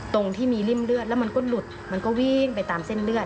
ตรงที่มีริ่มเลือดแล้วมันก็หลุดมันก็วิ่งไปตามเส้นเลือด